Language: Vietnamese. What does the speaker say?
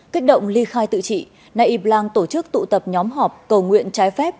kết động ly khai tự trị naip lang tổ chức tụ tập nhóm họp cầu nguyện trái phép